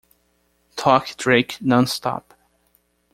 Toque Drake Nonstop.